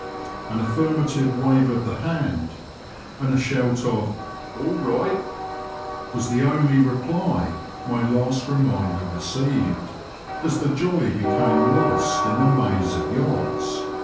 An affirmative wave of the hand and a shout of "All right !" was the only reply my last reminder received, as the jolly became lost in the maze of yachts